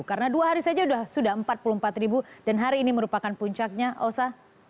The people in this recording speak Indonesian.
karena dua hari saja sudah empat puluh empat ribu dan hari ini merupakan puncaknya osa